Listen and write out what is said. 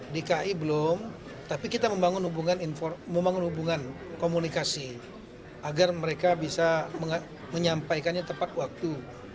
dki belum tapi kita membangun hubungan komunikasi agar mereka bisa menyampaikannya tepat waktu